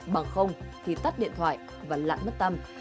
bằng không thì tắt điện thoại và lại mất tâm